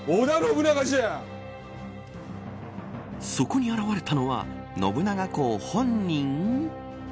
そこに現れたのは信長公本人。